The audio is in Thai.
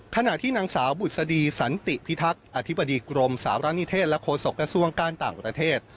ขณะที่นางสาวบุษดีสันติพิทักษ์อธิบดีกรมสารณิเทศและโฆษกระทรวงการต่างประเทศ